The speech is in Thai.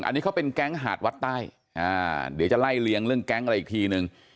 อันนี้เขาเป็นแก๊งหาดวัดใต้อ่าเดี๋ยวจะไล่เลียงเรื่องแก๊งอะไรอีกทีนึง